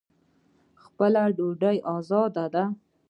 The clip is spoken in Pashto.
خپله ډوډۍ ازادي ده.